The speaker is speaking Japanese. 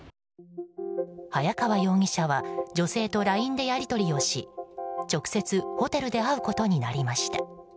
早川容疑者は女性とＬＩＮＥでやり取りをし直接ホテルで会うことになりました。